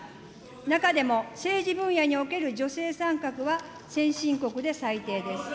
中でも政治分野における女性参画は先進国で最低です。